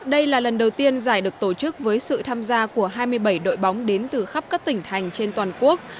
đây là lần đầu tiên giải được tổ chức với sự tham gia của hai mươi bảy đội bóng đến từ khắp các tỉnh thành trên toàn quốc